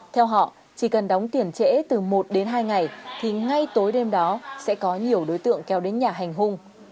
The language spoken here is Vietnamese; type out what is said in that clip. theo họ chỉ cần đóng tiền trễ từ một đến hai ngày thì ngay tối đêm đó sẽ có nhiều đối tượng kéo đến nhà hành hung